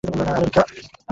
না, আমেরিকা।